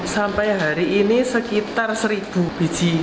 sampai hari ini sekitar seribu biji